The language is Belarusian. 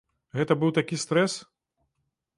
Гэта быў такі стрэс.